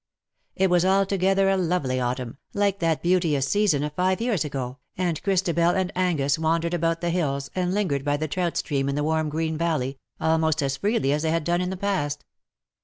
It was altogether a lovely autumn, like that beauteous season of five years ago, and Christabel and Angus wandered about the hills, and lingered by the trout stream in the warm green valley, almost as freely as they had done in the past.